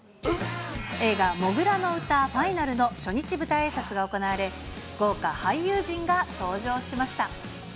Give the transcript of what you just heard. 映画、土竜の唄ＦＩＮＡＬの初日舞台あいさつが行われ、豪華俳優陣が登場しました。